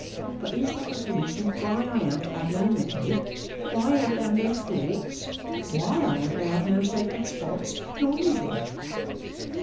But is that a reason why I am to have no memory, why I am to have no thoughts, why I am to have no sacred spots, nor anything?